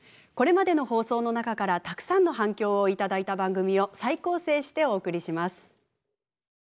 これまでの放送の中からたくさんの反響を頂いた番組を再構成してお送りします。